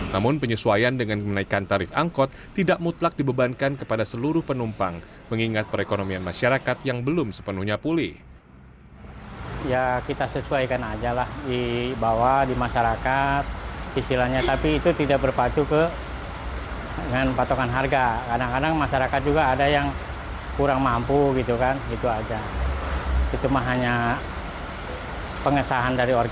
namun penyesuaian dengan kenaikan tarif angkot tidak mutlak dibebankan kepada seluruh penumpang mengingat perekonomian masyarakat yang belum sepenuhnya pulih